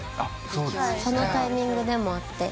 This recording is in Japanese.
そのタイミングでもあって。